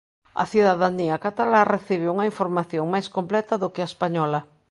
A cidadanía catalá recibe unha información máis completa do que a española.